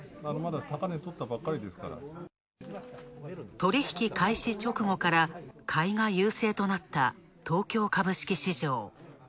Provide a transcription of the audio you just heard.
取引開始直後から買いが優勢となった東京株式市場。